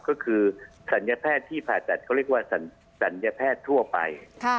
ก็คือศัลยแพทย์ที่ผ่าตัดเขาเรียกว่าศัลยแพทย์ทั่วไป